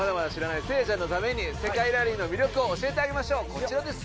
こちらです。